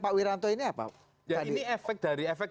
pak wiranto ini apa ini efek